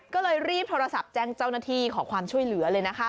ก็เลยรีบโทรศัพท์แจ้งเจ้าหน้าที่ขอความช่วยเหลือเลยนะคะ